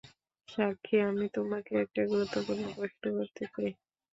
সাক্ষী, আমি তোমাকে একটা গুরুত্বপূর্ণ প্রশ্ন করতে চাই।